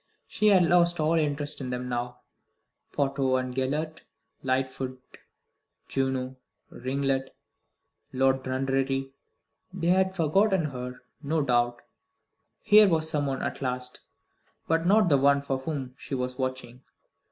She had lost all interest in them now. Pouto and Gellert, Lightfoot, Juno, Ringlet, Lord Dundreary they had forgotten her, no doubt. Here was someone at last, but not the one for whom she was watching.